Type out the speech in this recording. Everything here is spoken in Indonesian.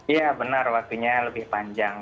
iya benar waktunya lebih panjang